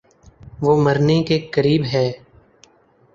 وہ مرنے کے قریب ہے